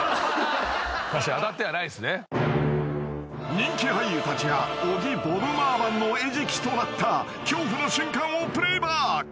［人気俳優たちが小木ボムバーマンの餌食となった恐怖の瞬間をプレーバック］